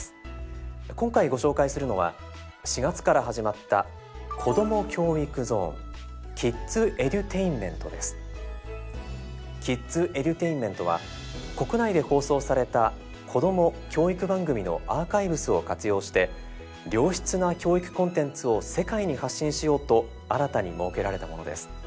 今回ご紹介するのは４月から始まった「ＫｉｄｓＥｄｕｔａｉｎｍｅｎｔ」は国内で放送されたこども・教育番組のアーカイブスを活用して良質な教育コンテンツを世界に発信しようと新たに設けられたものです。